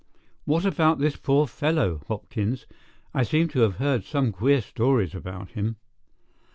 What about this poor fellow, Hopkins? I seem to have heard some queer stories about him."